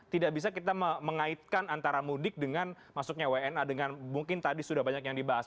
tidak bisa kita mengaitkan antara mudik dengan masuknya wna dengan mungkin tadi sudah banyak yang dibahas